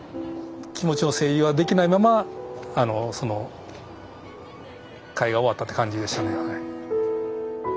気持ちの整理はできないままその終わったって感じでしたね。